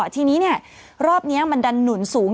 ทีนี้รอบนี้มันดันหนุนสูง